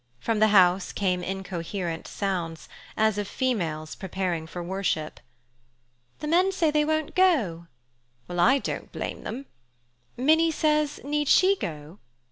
From the house came incoherent sounds, as of females preparing for worship. "The men say they won't go"—"Well, I don't blame them"—Minnie says, "need she go?"